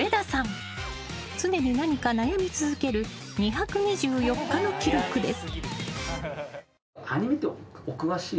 ［常に何か悩み続ける２２４日の記録です］